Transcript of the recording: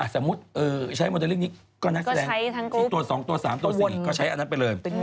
สมมุติใช้โมเดลลิ่งนี้ก็นักแสดงที่ตัว๒ตัว๓ตัว๔ก็ใช้อันนั้นไปเลย